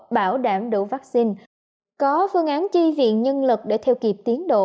bảo đảm đủ vaccine có phương án chi viện nhân lực để theo kịp tiến độ